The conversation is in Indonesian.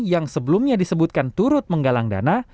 yang sebelumnya disebutkan turut menggalang dana